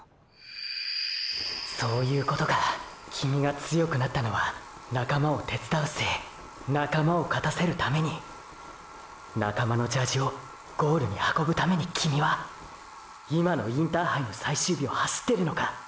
そういうことかキミが強くなったのは仲間を手伝うせい仲間を勝たせるためにーー仲間のジャージをゴールに運ぶためにキミは今のインターハイの最終日を走ってるのか！！